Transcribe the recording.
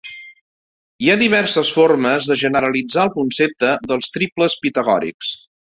Hi ha diverses formes de generalitzar el concepte dels triples pitagòrics.